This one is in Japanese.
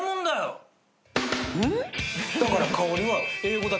だから香織は。